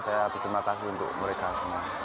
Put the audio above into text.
saya berterima kasih untuk mereka semua